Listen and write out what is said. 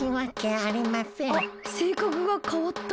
あっせいかくがかわった。